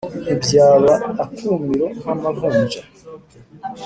nti byaba akumiro nk’amavunja ‘